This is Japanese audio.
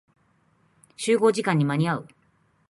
集合時間に間に合う。